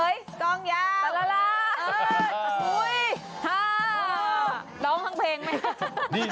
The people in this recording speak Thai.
รองห้างเพลงไหม